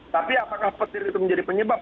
tapi apakah petir itu menjadi penyebab